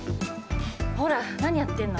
ほらなにやってんの？